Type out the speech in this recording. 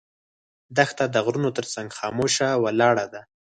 دښته د غرونو تر څنګ خاموشه ولاړه ده.